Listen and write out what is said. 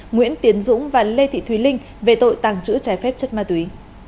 nguyễn tiến dũng và lê thị thùy linh về tội tàng trữ trái phép chất ma túy